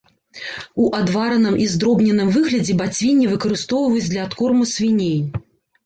У адвараным і здробненым выглядзе бацвінне выкарыстоўваюць для адкорму свіней.